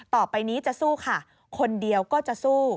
ต่อไปนี้จะสู้ค่ะคนเดียวก็จะสู้